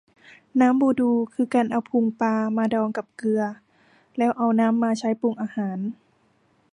น้ำบูดู คือการเอาพุงปลามาดองกับเกลือ แล้วเอาน้ำมาใช้ปรุงอาหาร